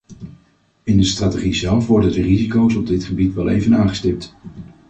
In de strategie zelf worden de risico’s op dit gebied wel even aangestipt.